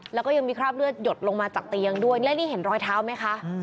แล้วก็ยังมีคราบเลือดหยดลงมาจากเตียงด้วยและนี่เห็นรอยเท้าไหมคะ